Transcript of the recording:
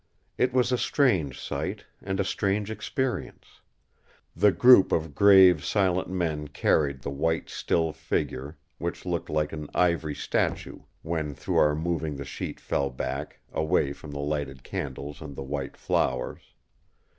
It was a strange sight, and a strange experience. The group of grave silent men carried the white still figure, which looked like an ivory statue when through our moving the sheet fell back, away from the lighted candles and the white flowers.